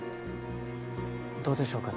どうでしょうか？